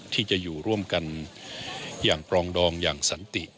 ที่จะอยู่ร่วมกันอย่างปรองดองอย่างสันติ